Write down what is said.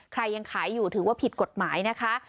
ยังขายอยู่ถือว่าผิดกฎหมายนะคะ